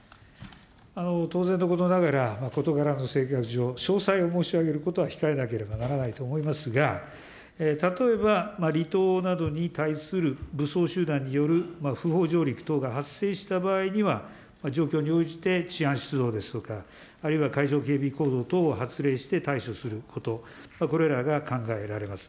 当然のことながら、事柄の性格上、詳細を申し上げることは控えなければならないと思いますが、例えば離島などに対する武装集団による不法上陸等が発生した場合には、状況に応じて治安出動ですとか、あるいは海上警備行動等を発令して対処すること、これらが考えられます。